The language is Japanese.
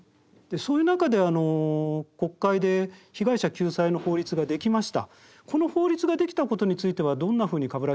そういう中で国会で被害者救済の法律ができました。